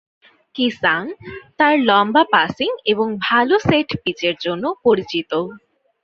কি-সাঙ্গ তার লম্বা পাসিং এবং ভালো সেট পিচের জন্য পরিচিত।